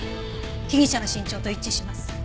被疑者の身長と一致します。